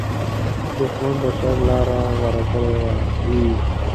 دښمن د شر لاره غوره کړې وي